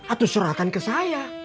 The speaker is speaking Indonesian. atuh serahkan ke saya